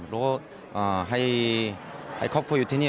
รู้ว่าให้ครอบครัวอยู่ที่นี่